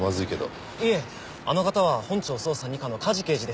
いえあの方は本庁捜査二課の梶刑事です。